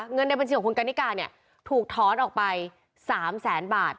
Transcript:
เงินในบัญชีของคุณกันนิกาเนี่ยถูกถอนออกไป๓แสนบาท